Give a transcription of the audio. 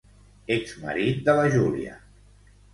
Exmarit de la Júlia.